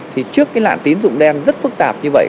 thì trước cái nạn tín dụng đen rất phức tạp như vậy